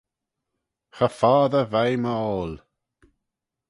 Cha foddey veih my oayl.